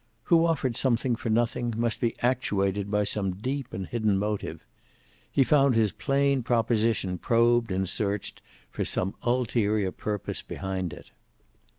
Who offered something for nothing must be actuated by some deep and hidden motive. He found his plain proposition probed and searched for some ulterior purpose behind it.